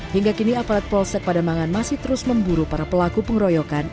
hingga kini aparat polsek pademangan masih terus memburu para pelaku pengeroyokan